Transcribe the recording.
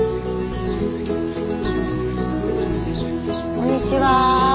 こんにちは。